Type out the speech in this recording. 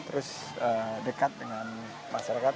terus dekat dengan masyarakat